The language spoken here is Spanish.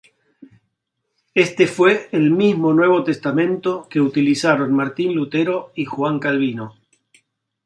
Este fue el mismo nuevo testamento que utilizaron Martín Lutero y Juan Calvino.